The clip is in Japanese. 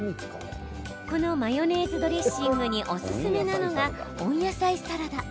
このマヨネーズドレッシングにおすすめなのが、温野菜サラダ。